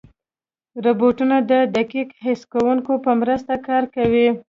روبوټونه د دقیق حس کوونکو په مرسته کار کوي.